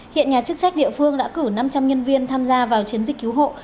hiện nhà chức trách địa phương đã cử năm trăm linh nhân viên tham gia vào chiến dịch cứu hộ